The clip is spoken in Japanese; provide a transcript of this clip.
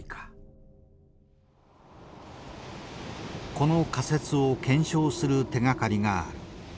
この仮説を検証する手がかりがある。